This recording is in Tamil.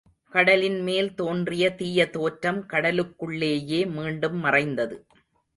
கடலின் மேல் தோன்றிய தீய தோற்றம் கடலுக்குள்ளேயே மீண்டும் மறைந்தது.